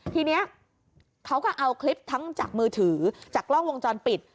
ทีนี้เขาก็เอาคลิปทั้งจากมือถือจากกล้องวงจรปิด